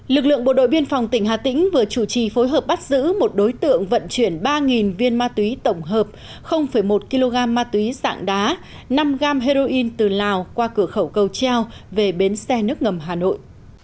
lực lượng bộ đội biên phòng tỉnh hà tĩnh vừa chủ trì phối hợp bắt giữ một đối tượng vận chuyển ba viên ma túy tổng hợp một kg ma túy dạng đá năm gram heroin từ lào qua cửa khẩu cầu treo về bến xe nước ngầm hà nội